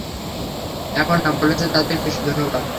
এখন না, বলেছ তাতেই খুশি, ধন্যবাদ।